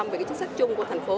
về chính sách chung của thành phố